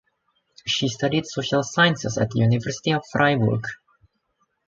She studied social sciences at the University of Freiburg.